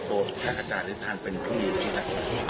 ตัวจัดทาหรือทางเป็นพี่ที่จัดทา